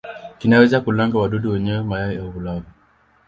Kinaweza kulenga wadudu wenyewe, mayai au lava.